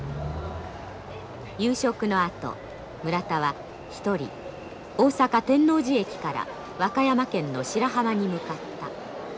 夕食のあと村田は一人大阪天王寺駅から和歌山県の白浜に向かった。